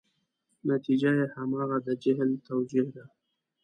نتیجه یې همغه د جهل توجیه ده.